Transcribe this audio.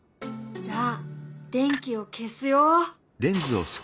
じゃあ電気を消すよ。